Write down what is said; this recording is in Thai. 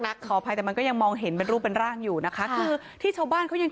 ขออภัยแต่มันก็ยังมองเห็นเป็นรูปเป็นร่างอยู่นะคะคือที่ชาวบ้านเขายัง